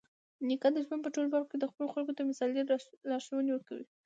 نیکه د ژوند په ټولو برخه کې خپلو خلکو ته مثالي لارښوونې ورکوي.